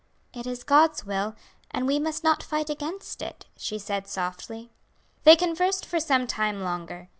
"It is God's will, and we must not fight against it," she said softly. They conversed for some time longer.